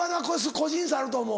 個人差あると思う。